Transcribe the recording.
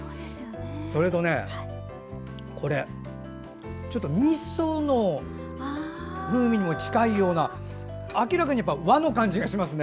それとみその風味に近いような明らかに和風の感じがしますね。